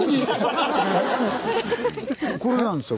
これなんですよ。